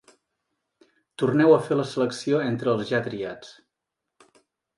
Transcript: Torneu a fer la selecció entre els ja triats.